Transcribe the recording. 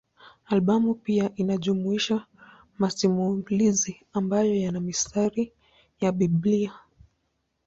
Albamu pia inajumuisha masimulizi ambayo yana mistari ya Biblia.